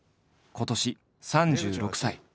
今年３６歳。